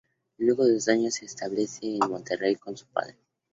Luego de dos años, se establece en Monterrey con su padre.